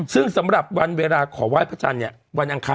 ซึ่งสำหรับวันเวลาขอไหว้พระจันทร์เนี่ยวันอังคาร